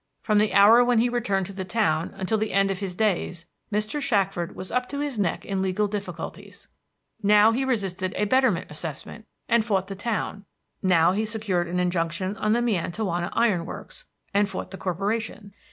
From the hour when he returned to the town until the end of his days Mr. Shackford was up to his neck in legal difficulties. Now he resisted a betterment assessment, and fought the town; now he secured an injunction on the Miantowona Iron Works, and fought the corporation.